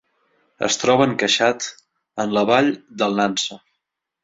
Es troba encaixat en la vall del Nansa.